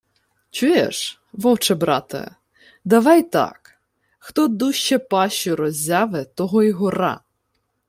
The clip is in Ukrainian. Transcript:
«Чуєш, вовче-брате, давай так: хто дужче пащу роззяве, того й гора».